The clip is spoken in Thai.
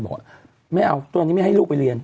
บอกว่าไม่เอาตอนนี้ไม่ให้ลูกไปเรียน